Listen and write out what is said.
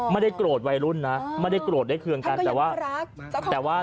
ไม่ได้โกรธวัยรุ่นนะไม่ได้โกรธด้วยเครื่องการ